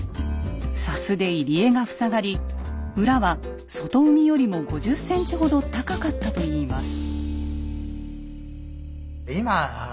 砂州で入り江が塞がり浦は外海よりも５０ｃｍほど高かったといいます。